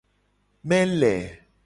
Mele.